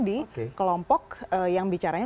di kelompok yang bicaranya